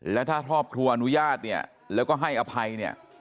และถ้าครอบครัวอนุญาตเนี่ยแล้วก็ให้อภัยเนี่ย